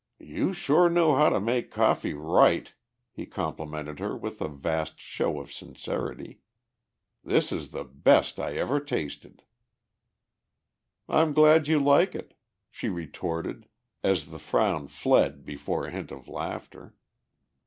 "You sure know how to make coffee right," he complimented her with a vast show of sincerity. "This is the best I ever tasted." "I'm glad you like it," she retorted as the frown fled before a hint of laughter.